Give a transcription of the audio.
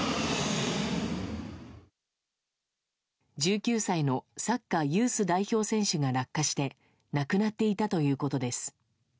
１９歳のサッカーユース代表選手が落下して亡くなっていたということです。